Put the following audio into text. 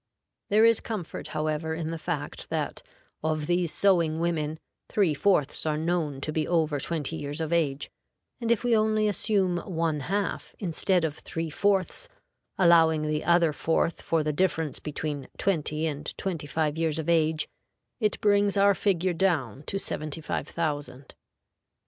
There is comfort, however, in the fact that, of these sewing women, three fourths are known to be over twenty years of age; and if we only assume one half instead of three fourths, allowing the other fourth for the difference between twenty and twenty five years of age, it brings our figure down to seventy five thousand.